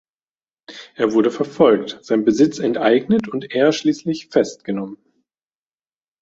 Er wurde verfolgt, sein Besitz enteignet und er schließlich festgenommen.